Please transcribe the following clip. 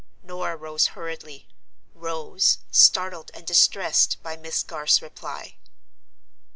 Norah rose hurriedly; rose, startled and distressed by Miss Garth's reply.